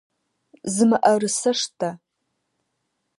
Зы мыӏэрысэ штэ!